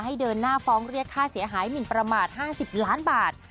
เดินหน้าฟ้องเรียกค่าเสียหายหมินประมาท๕๐ล้านบาท